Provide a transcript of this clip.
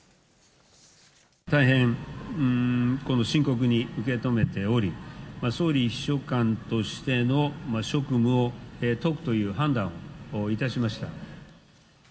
大変深刻に受け止めており、総理秘書官としての職務を解くという判断をいたしました。